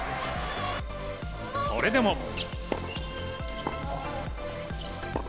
それでも。